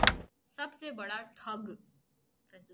سب سے بڑا ٹھگ